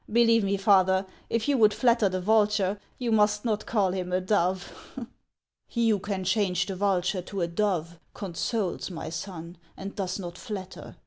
Believe me, Father, if you would flatter the vulture, you must not call him a dove." " He who can change the vulture to a dove, consoles, my son, and does not flatter.